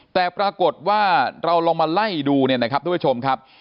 แต่ปรากฏว่าเราลองมาไล่ดูเนี่ยนะครับทุกผู้ชมครับ